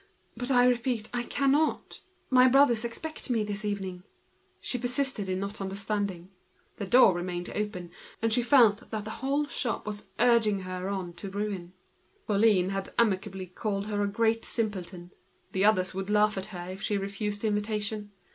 But I repeat, I cannot; my brothers expect me." She persisted in not understanding. The door remained open, and she felt that the whole shop was pushing her on to yield. Pauline had amicably called her a great simpleton, the others would laugh at her if she refused the invitation.